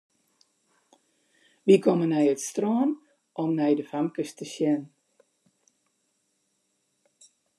Wy komme nei it strân om nei de famkes te sjen.